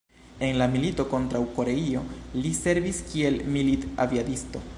En la milito kontraŭ Koreio li servis kiel milit-aviadisto.